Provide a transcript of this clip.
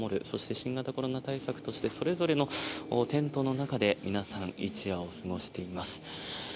そして新型コロナ対策としてそれぞれのテントの中で皆さん一夜を過ごしています。